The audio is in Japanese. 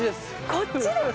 こっちです。